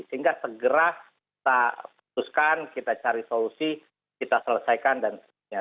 sehingga segera kita putuskan kita cari solusi kita selesaikan dan sebagainya